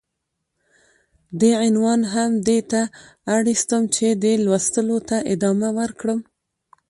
دې عنوان هم دې ته اړيستم چې ،چې لوستلو ته ادامه ورکړم.